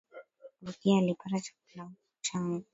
Rukiya alipata chakula changu